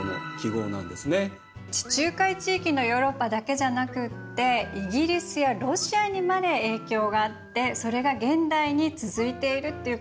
地中海地域のヨーロッパだけじゃなくってイギリスやロシアにまで影響があってそれが現代に続いているっていうことなんですね。